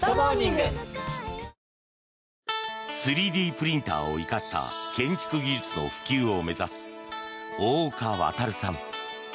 ３Ｄプリンターを生かした建築技術の普及を目指す大岡航さん。